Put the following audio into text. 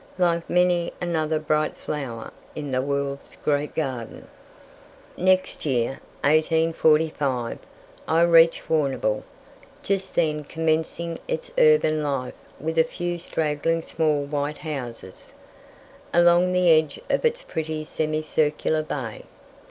like many another bright flower in the world's great garden. Next year, 1845, I reached Warrnambool, just then commencing its urban life with a few straggling small white houses, along the edge of its pretty semicircular bay.